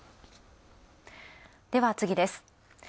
では、次です。